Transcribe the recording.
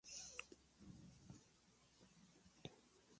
La canción estaba destinada al proyecto "Lifehouse".